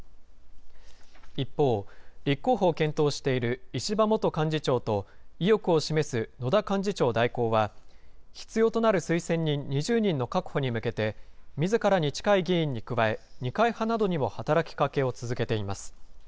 一方、立候補を検討している石破元幹事長と、意欲を示す野田幹事長代行は、必要となる推薦人２０人の確保に向けて、みずからに近い議員に加え、二階派などにも働きかけを続けています。